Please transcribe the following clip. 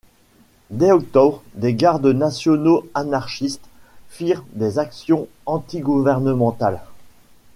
Dès octobre, des gardes nationaux anarchistes firent des actions antigouvernementales.